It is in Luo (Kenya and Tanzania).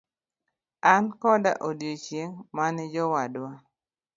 An koda odiochieng' mane jowadwa.